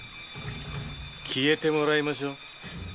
消えてもらいましょう。